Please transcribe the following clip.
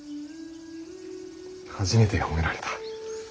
初めて褒められた。